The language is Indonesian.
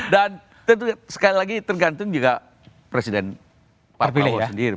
dan tentu sekali lagi tergantung juga presiden pak pao sendiri